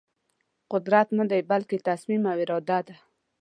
قدرت ندی بلکې تصمیم او اراده ده.